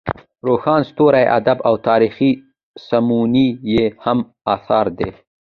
روښان ستوري ادبي او تاریخي سمونې یې هم اثار دي.